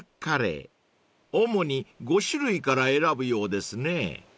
［主に５種類から選ぶようですね］